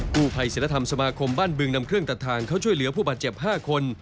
กู้ภัยศิลธรรมสมาคมบ้านบึงนำเครื่องตัดทางเข้าช่วยเหลือผู้บาดเจ็บ๕คน